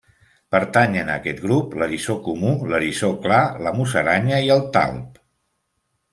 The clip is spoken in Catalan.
Pertanyen a aquest grup l'eriçó comú, l'eriçó clar, la musaranya i el talp.